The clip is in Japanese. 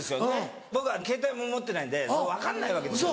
僕はケータイも持ってないんで分かんないわけです。